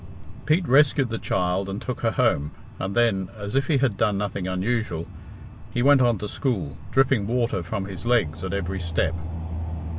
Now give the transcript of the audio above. Pete rescued the child and took her home, and then, as if he had done nothing unusual, he went on to school, dripping water from his legs at every step.